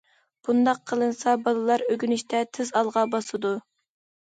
بۇنداق قىلىنسا بالىلار ئۆگىنىشتە تېز ئالغا باسىدۇ.